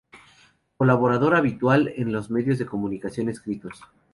Colaborador habitual en los medios de comunicación escritos.